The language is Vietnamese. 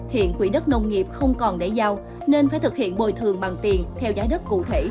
hiện quỹ đất nông nghiệp không còn để giao nên phải thực hiện bồi thường bằng tiền theo giá đất cụ thể